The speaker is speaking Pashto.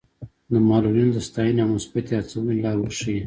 د معلولینو د ستاینې او مثبتې هڅونې لاره ورښيي.